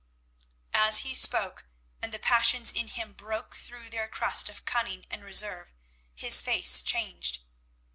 As he spoke and the passions in him broke through their crust of cunning and reserve, his face changed.